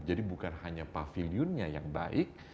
jadi bukan hanya pavilionnya yang baik